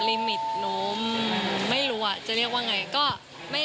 ลิมิตนมไม่รู้อะจะเรียกว่าอย่างไร